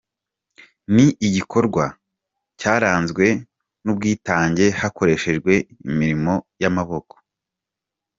Ni igikorwa cyaranzwe n'ubwitange hakoreshejwe imirimo y'amaboko.